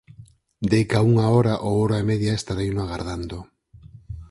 Deica unha hora ou hora e media estareino agardando...